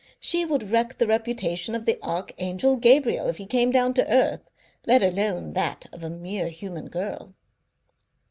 She would wreck the reputation of the Archangel Gabriel if he came down to earth, let alone that of a mere human girl."